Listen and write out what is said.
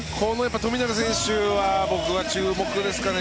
富永選手は僕は注目ですかね。